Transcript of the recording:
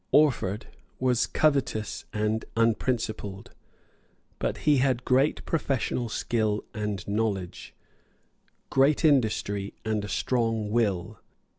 Orford was covetous and unprincipled; but he had great professional skill and knowledge, great industry, and a strong will.